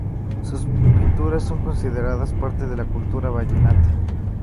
Sus pinturas son consideradas parte de la cultura vallenata.